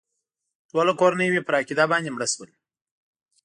ټوله کورنۍ مې پر عقیده باندې مړه شول.